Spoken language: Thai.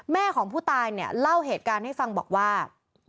แม่ของผู้ตายเนี่ยเล่าเหตุการณ์ให้ฟังบอกว่า